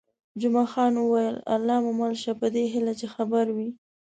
جمعه خان وویل: الله مو مل شه، په دې هیله چې خیر وي.